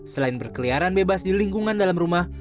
selain berkeliaran bebas di lingkungan dalam rumah